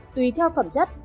tùy theo phẩm chất